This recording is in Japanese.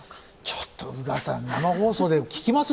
ちょっと宇賀さん生放送で聞きます？